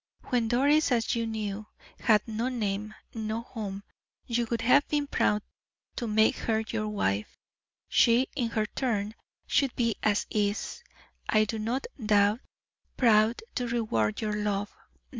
When Doris, as you knew, had no name, no home, you would have been proud to make her your wife; she, in her turn, should be, and is, I do not doubt, proud to reward your love.